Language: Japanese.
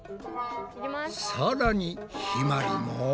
さらにひまりも。